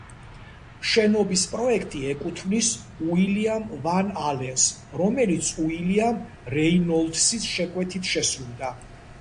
შენობის პროექტი ეკუთვნის უილიამ ვან ალენს, რომელიც უილიამ რეინოლდსის შეკვეთით შესრულდა.